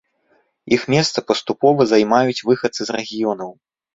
Іх месца паступова займаюць выхадцы з рэгіёнаў.